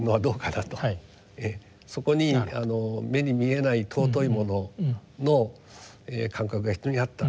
そこに目に見えない尊いものの感覚が非常にあった。